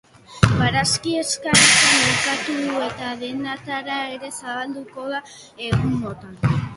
Barazki eskaintza merkatu eta dendetara ere zabalduko da egunotan.